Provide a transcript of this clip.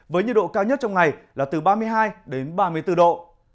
với nhiệt độ cao nhất trong ngày là từ ba mươi hai đến ba mươi bốn độ